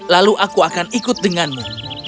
lalu aku akan ikut denganmu